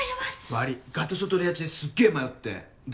悪ぃガトショとレアチですっげぇ迷ってで。